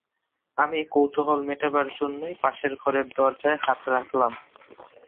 আমি কৌতূহল মেটাবার জন্যেই পাশের ঘরের দরজায় হাত রাখলাম।